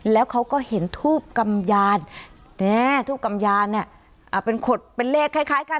แล้วเขาก็เห็นทูบกำยานทูบกำยานเนี่ยเป็นขดเป็นเลขคล้ายกัน